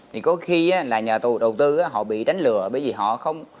thì có khi là nhà tù đầu tư họ bị đánh lừa bởi vì họ không